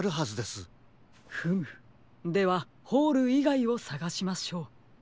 フムではホールいがいをさがしましょう。